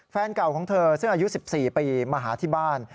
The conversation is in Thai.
แฟนเก่าของเธอซึ่งอายุ๑๔ปีมาหาที่บ้าน